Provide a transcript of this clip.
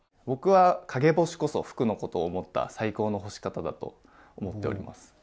僕は陰干しこそ服のことを思った最高の干し方だと思っております。